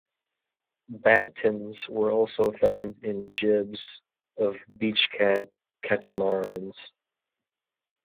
Battens are also found in jibs of beach-cat catamarans.